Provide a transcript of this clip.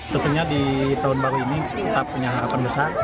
tentunya di tahun baru ini kita punya harapan besar